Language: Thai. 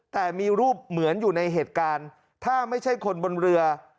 แต่มีรูปเหมือนอยู่ในเหตุการณ์ถ้าไม่ใช่คนบนเรือ